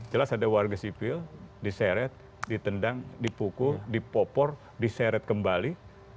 jelas ada warga sipil diseret ditendang dipukul dipopor diseret kembali